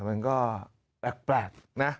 เออมันก็แปลกนะ